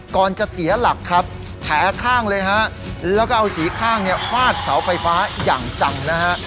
ก่อนจะเสียหลักครับแผลข้างเลยฮะแล้วก็เอาสีข้างเนี่ยฟาดเสาไฟฟ้าอย่างจังนะฮะ